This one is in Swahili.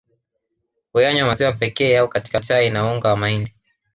Huyanywa maziwa pekee au katika chai na unga wa mahindi